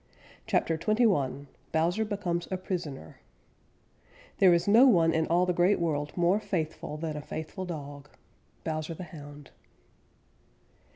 CHAPTER XXI BOWSER BECOMES A PRISONER There is no one in all the Great World more faithful than a faithful dog. _Bowser the Hound.